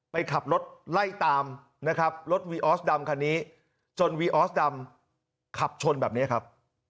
ไปขับรถไล่ตามนะครับรถวีออสดำคันนี้จนวีออสดำขับชนแบบนี้ครับ